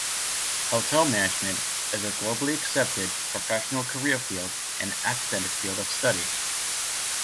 Hotel management is a globally accepted professional career field and academic field of study.